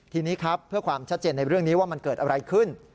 ทีนี้ครับเพื่อความชัดเจนในเรื่องนี้ว่ามันเกิดอะไรขึ้น